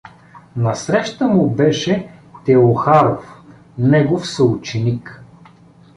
Насреща му беше Теохаров, негов съученик.